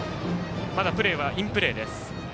まだプレーはインプレーです。